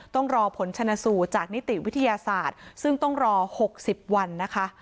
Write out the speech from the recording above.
ต้องรอผลชนะสูตรจากนิติวิทยาศาสตร์ซึ่งต้องรอ๖๐วันนะคะ